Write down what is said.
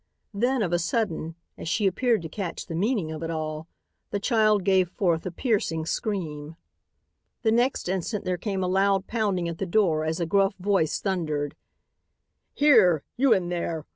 Then, of a sudden, as she appeared to catch the meaning of it all, the child gave forth a piercing scream. The next instant there came a loud pounding at the door as a gruff voice thundered: "Here, you in there!